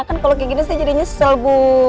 kan kalau kayak gini saya jadi nyesel bu